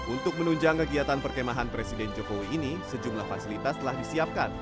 untuk menunjang kegiatan perkemahan presiden jokowi ini sejumlah fasilitas telah disiapkan